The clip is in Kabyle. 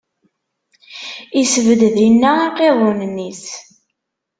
Isbedd dinna iqiḍunen-is.